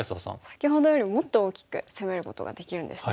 先ほどよりもっと大きく攻めることができるんですね。